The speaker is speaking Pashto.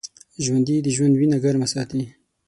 ژوندي د ژوند وینه ګرمه ساتي